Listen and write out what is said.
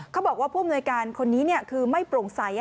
เขาบอกว่าผู้อำนวยการคนนี้คือไม่โปร่งใส